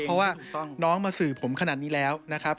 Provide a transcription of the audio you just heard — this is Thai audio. เพราะว่าน้องมาสื่อผมขนาดนี้แล้วนะครับ